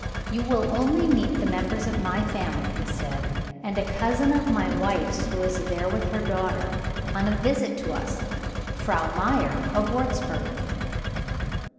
"You will only meet the members of my family," he said, "and a cousin of my wife's who is here with her daughter, on a visit to us Frau Meyer, of Wurzburg."